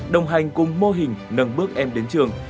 đồng hành cùng mô hình nâng bước em đến trường